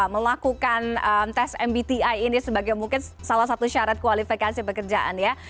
melakukan tes mbti ini sebagai mungkin salah satu syarat kualifikasi pekerjaan ya